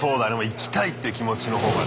行きたいっていう気持ちの方がね。